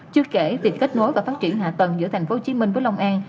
chưa kể việc kết nối và phát triển hạ tầng giữa tp hcm với long an